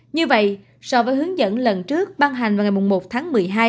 như vậy so với hướng dẫn lần trước ban hành vào ngày một tháng một mươi hai